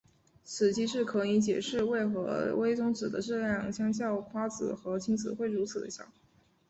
此机制可以解释为何微中子的质量相较夸克和轻子会如此地小。